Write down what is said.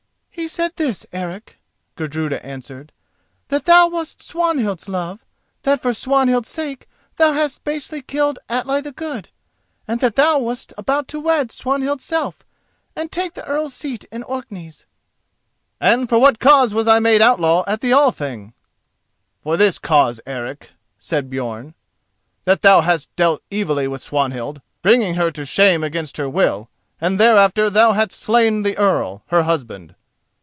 "He said this, Eric," Gudruda answered: "that thou wast Swanhild's love; that for Swanhild's sake thou hadst basely killed Atli the Good, and that thou wast about to wed Swanhild's self and take the Earl's seat in Orkneys." "And for what cause was I made outlaw at the Althing?" "For this cause, Eric," said Björn, "that thou hadst dealt evilly with Swanhild, bringing her to shame against her will, and thereafter that thou hadst slain the Earl, her husband."